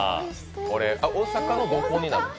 大阪のどこになるんですか？